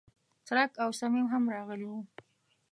څرک او صمیم هم راغلي و.